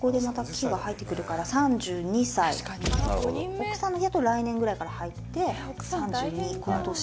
奥さんの気だと来年ぐらいから入って３２この年。